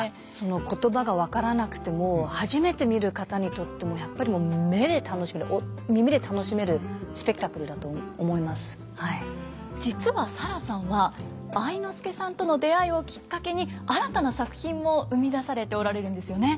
言葉が分からなくても初めて見る方にとってもやっぱり実はサラさんは愛之助さんとの出会いをきっかけに新たな作品も生み出されておられるんですよね。